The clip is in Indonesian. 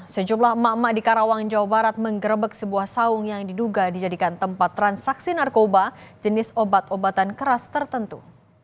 sejumlah emak emak di karawang jawa barat menggerebek sebuah saung yang diduga dijadikan tempat transaksi narkoba jenis obat obatan keras tertentu